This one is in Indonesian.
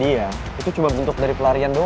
hasta dia nunggu sampe saya nunggu